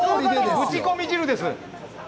ぶちこみ汁です。